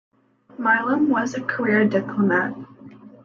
Milam was a career diplomat.